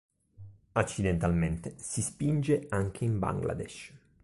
Accidentalmente si spinge anche in Bangladesh.